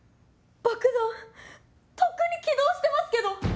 爆弾とっくに起動してますけど。